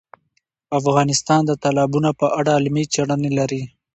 افغانستان د تالابونه په اړه علمي څېړنې لري.